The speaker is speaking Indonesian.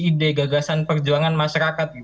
ide gagasan perjuangan masyarakat